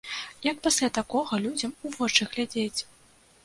Як пасля такога людзям у вочы глядзець?